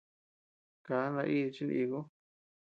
Kaa naidi chi niku.